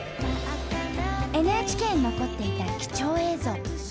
ＮＨＫに残っていた貴重映像。